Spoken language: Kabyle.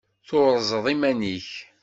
Turzeḍ iman-ik.